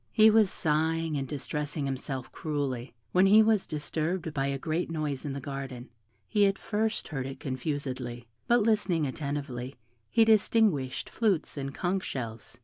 He was sighing and distressing himself cruelly, when he was disturbed by a great noise in the garden; he at first heard it confusedly, but listening attentively, he distinguished flutes and conch shells.